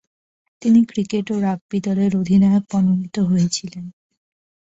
তিনি ক্রিকেট ও রাগবি দলের অধিনায়ক মনোনীত হয়েছিলেন।